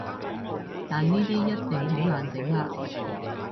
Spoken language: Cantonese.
但呢啲一定好難整喇